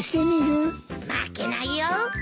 負けないよ。